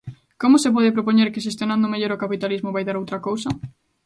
Como se pode propoñer que xestionando mellor o capitalismo vai dar outra cousa?